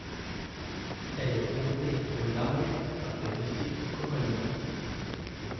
Elle est fermée au large par des récifs coralliens.